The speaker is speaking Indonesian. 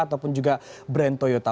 ataupun juga brand toyota